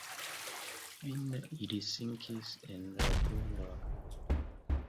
Fine ili sinkis en la grundon.